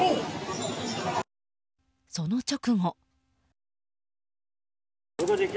その直後。